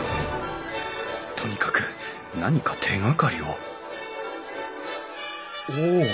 とにかく何か手がかりをお！